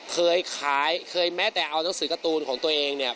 เคยขายเคยแม้แต่เอาหนังสือการ์ตูนของตัวเองเนี่ย